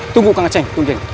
tunggu kang ceng